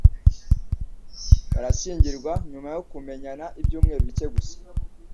barashyingirwa nyuma yo kumenyana ibyumweru bike gusa